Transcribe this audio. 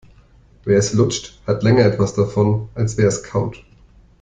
Wer es lutscht, hat länger etwas davon, als wer es kaut.